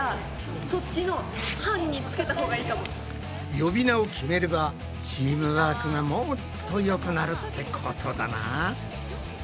呼び名を決めればチームワークがもっとよくなるってことだな。